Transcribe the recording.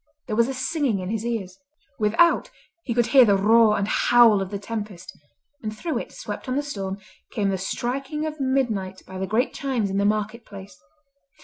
There was a singing in his ears. Without, he could hear the roar and howl of the tempest, and through it, swept on the storm, came the striking of midnight by the great chimes in the market place.